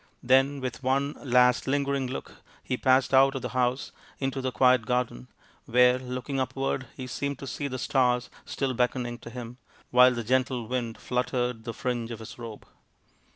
Then with one last lingering look he passed out of the house into the quiet garden, where, looking upward, he seemed to see the stars still beckoning to him, while the gentle wind fluttered the fringe of his robe.